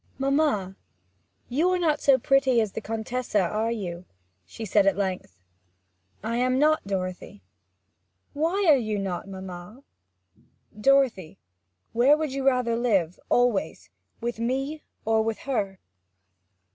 'Mamma you are not so pretty as the Contessa, are you?' she said at length. 'I am not, Dorothy.' 'Why are you not, mamma?' 'Dorothy where would you rather live, always; with me, or with her?'